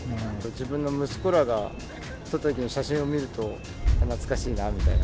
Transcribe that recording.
自分の息子らが撮った写真を見ると、懐かしいなみたいな。